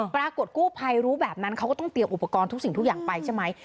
ปรากฏกู้ภัยรู้แบบนั้นเขาก็ต้องเตรียมอุปกรณ์ทุกสิ่งทุกอย่างไปใช่ไหม